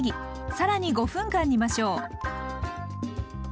更に５分間煮ましょう。